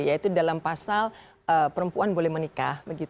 yaitu dalam pasal perempuan boleh menikah